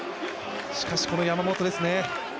しかし、この山本ですね。